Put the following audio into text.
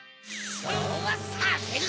そうはさせるか！